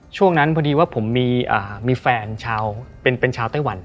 ช่วงนั้นพอดีว่าผมมีแฟนชาวเป็นชาวไต้หวัน